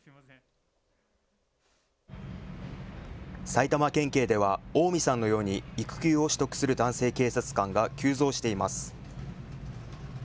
埼玉県警では近江さんのように育休を取得する男性警察官が急増しています。